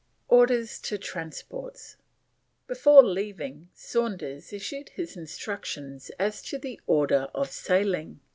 ORDERS TO TRANSPORTS. Before leaving, Saunders issued his instructions as to the order of sailing.